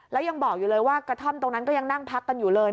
แล้วยังบอกอยู่เลยว่ากระท่อมตรงนั้นก็ยังนั่งพักกันอยู่เลย